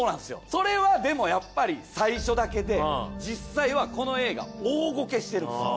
それはでもやっぱり最初だけで実際はこの映画大ゴケしてるんですよ。